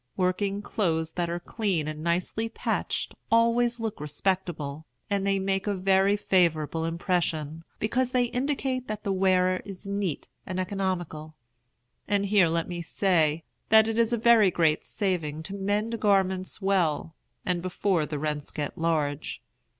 Working clothes that are clean and nicely patched always look respectable; and they make a very favorable impression, because they indicate that the wearer is neat and economical. And here let me say, that it is a very great saving to mend garments well, and before the rents get large.